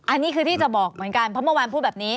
อันนี้คือที่จะบอกเหมือนกันเพราะเมื่อวานพูดแบบนี้